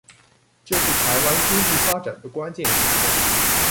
這是臺灣經濟發展的關鍵時刻